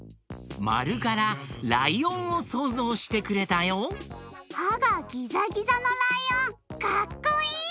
まるからライオンをそうぞうしてくれたよ！はがギザギザのライオンかっこいい！